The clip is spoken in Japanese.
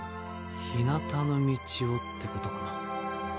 「ひなたの道を」ってことかな。